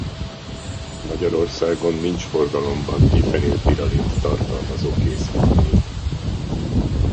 Magyarországon nincs forgalomban difenil-piralint tartalmazó készítmény.